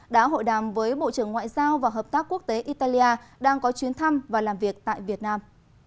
đã hội đàm với bộ trưởng ngoại giao và hợp tác quốc tế italia đang có chuyến thăm và làm việc tại việt nam